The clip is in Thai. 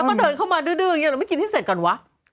แล้วมาเดินเข้ามาดื้อเรากินให้เสร็จก่อนวะ